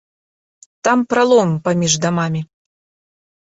Там пралом паміж дамамі.